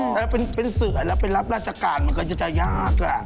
แต่เป็นเสือแล้วไปรับราชการมันก็จะยาก